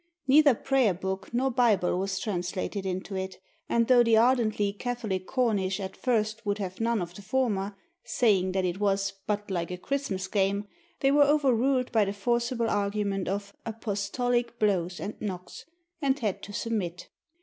Neither prayer book nor Bible was translated into it; and though the ardently Catholic Cornish at first would have none of the former, saying that it was "but like a Christmas game," they were overruled by the forcible argument of "apostolick blows and knocks," and had to submit.